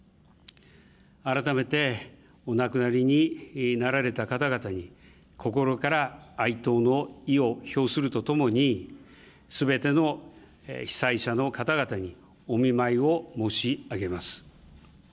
改めて、お亡くなりになられた方々に、心から哀悼の意を表するとともに、すべての被災者の方々に、お見舞いを申し上げます。